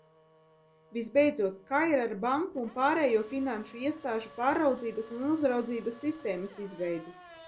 Visbeidzot, kā ir ar banku un pārējo finanšu iestāžu pārraudzības un uzraudzības sistēmas izveidi?